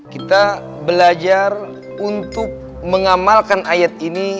kita belajar untuk mengamalkan ayat ini